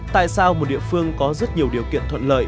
tại sao một địa phương có rất nhiều điều kiện thuận lợi